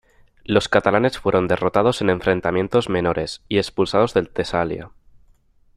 Los catalanes fueron derrotados en enfrentamientos menores y expulsados del Tesalia.